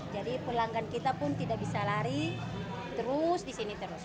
jadi pelanggan kita pun tidak bisa lari terus di sini terus